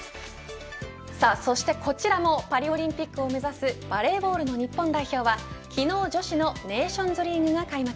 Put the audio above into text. そしてこちらもパリオリンピックを目指すバレーボールの日本代表は昨日、女子のネーションズリーグが開幕。